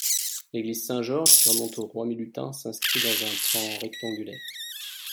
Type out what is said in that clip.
L'église Saint-Georges, qui remonte au roi Milutin, s'inscrit dans un plan rectangulaire.